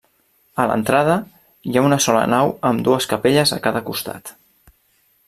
A l'entrada hi ha una sola nau amb dues capelles a cada costat.